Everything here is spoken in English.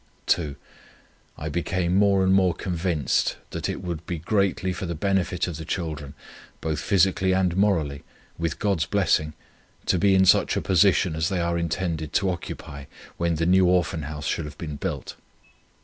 (2) I become more and more convinced, that it would be greatly for the benefit of the children, both physically and morally, with God's blessing, to be in such a position as they are intended to occupy, when the New Orphan House shall have been built.